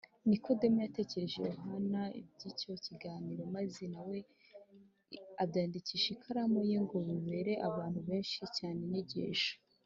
Nikodemo yatekerereje Yohana iby’icyo kiganiro, maze na we abyandikisha ikaramu ye ngo bibere abantu benshi cyane inyigisho.